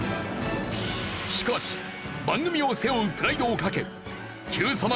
しかし番組を背負うプライドをかけＱさま！！